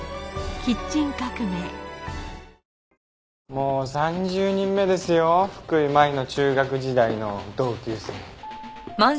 もう３０人目ですよ福井真衣の中学時代の同級生。